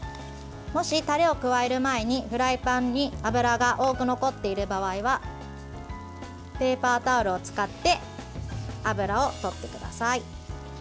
もし、タレを加える前にフライパンに油が多く残っている場合はペーパータオルを使って油をとってください。